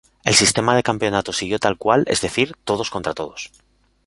El sistema de campeonato siguió tal cual, es decir, todos contra todos.